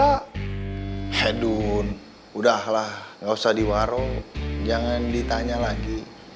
eh dun udahlah ngga usah diwaro jangan ditanya lagi